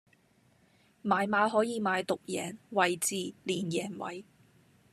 買馬可以買獨贏、位置、連贏位